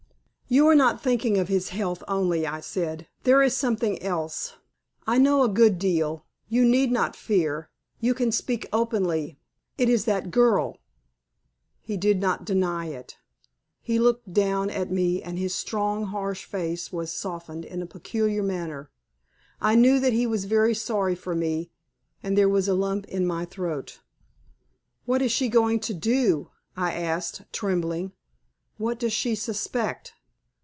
"You are not thinking of his health only," I said; "there is something else. I know a good deal, you need not fear. You can speak openly. It is that girl." He did not deny it. He looked down at me, and his strong, harsh face was softened in a peculiar manner. I knew that he was very sorry for me, and there was a lump in my throat. "What is she going to do?" I asked, trembling. "What does she suspect?"